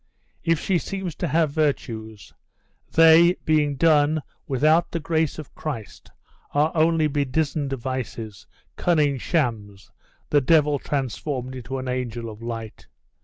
If she seems to have virtues, they, being done without the grace of Christ, are only bedizened vices, cunning shams, the devil transformed into an angel of light.